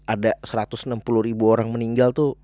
ada satu ratus enam puluh ribu orang meninggal tuh